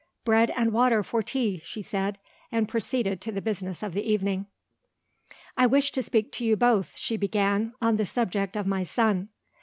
"Bread and water for tea," she said, and proceeded to the business of the evening. "I wish to speak to you both," she began, "on the subject of my son."